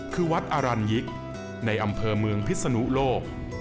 คือวัดอรัญยิกในอำเภอเมืองพิศนุโลก